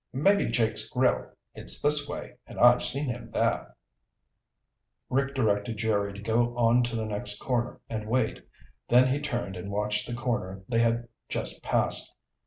"Maybe Jake's Grill. It's this way and I've seen him there." Rick directed Jerry to go on to the next corner and wait. Then he turned and watched the corner they had just passed.